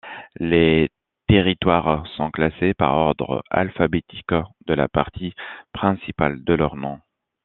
Les territoires sont classés par ordre alphabétique de la partie principale de leur nom.